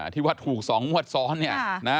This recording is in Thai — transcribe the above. ที่ว่าถูก๒งวดซ้อนเนี่ยนะ